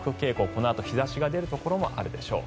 このあと日差しが出るところもあるでしょう。